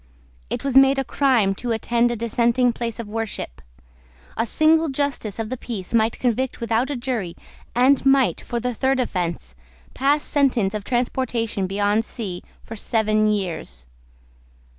It was made a crime to attend a dissenting place of worship. A single justice of the peace might convict without a jury, and might, for the third offence, pass sentence of transportation beyond sea for seven years.